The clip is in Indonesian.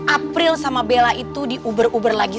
april sama bella itu diuber uber lagi